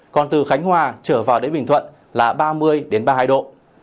còn từ khánh hòa trở vào đến bình thuận là ba mươi ba mươi hai độ